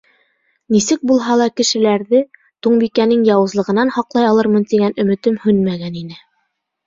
Нисек булһа ла кешеләрҙе Туңбикәнең яуызлығынан һаҡлай алырмын тигән өмөтөм һүнмәгән ине.